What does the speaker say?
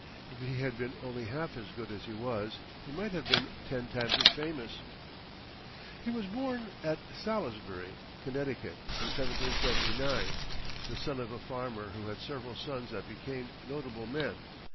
If he had been only half as good as he was, he might have been ten times as famous. He was born at Salisbury, Conn., in 1779, the son of a farmer who had several sons that became notable men.